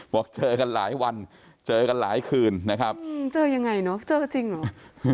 บอกเจอกันหลายวันเจอกันหลายคืนนะครับเจอยังไงเนอะเจอจริงเหรอ